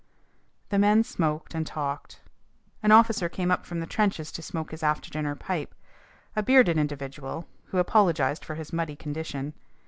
The men smoked and talked. An officer came up from the trenches to smoke his after dinner pipe, a bearded individual, who apologised for his muddy condition.